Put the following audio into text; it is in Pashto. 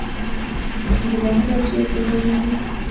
ګلیمونه چیرته جوړیږي؟